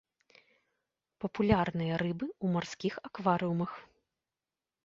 Папулярныя рыбы ў марскіх акварыумах.